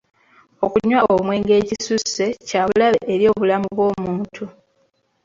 Okunywa omwenge ekisusse kya bulabe eri obulamu bw'omuntu.